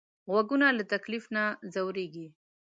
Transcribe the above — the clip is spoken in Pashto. غوږونه له تکلیف نه ځورېږي